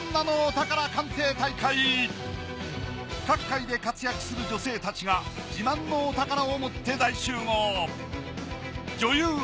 各界で活躍する女性達が自慢のお宝をもって大集合女優